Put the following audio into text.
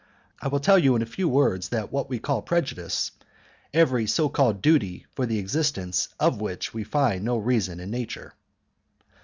I will tell you in a few words that we call prejudice every so called duty for the existence of which we find no reason in nature."